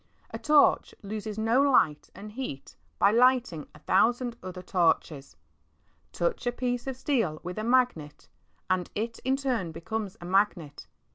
A torch loses no light and heat by lighting a thousand other torches. Touch a piece of steel with a magnet, and it in turn becomes a magnet.